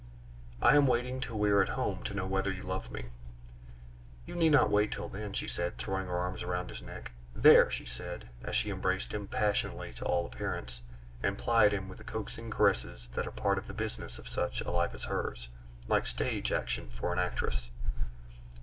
"I am waiting till we are at home to know whether you love me." "You need not wait till then," she said, throwing her arms round his neck. "There!" she said, as she embraced him, passionately to all appearance, and plied him with the coaxing caresses that are part of the business of such a life as hers, like stage action for an actress.